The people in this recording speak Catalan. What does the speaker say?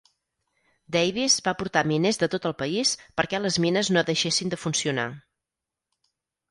Davis va portar miners de tot el país perquè les mines no deixessin de funcionar.